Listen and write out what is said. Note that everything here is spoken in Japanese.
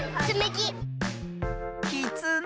きつね。